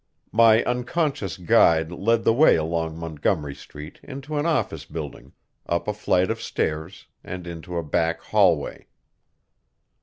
My unconscious guide led the way along Montgomery Street into an office building, up a flight of stairs, and into a back hallway.